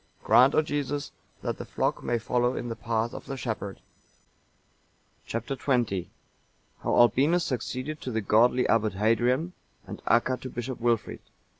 Grant, O Jesus, that the flock may follow in the path of the shepherd." Chap. XX. How Albinus succeeded to the godly Abbot Hadrian, and Acca to Bishop Wilfrid.